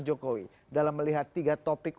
jokowi dalam melihat tiga topik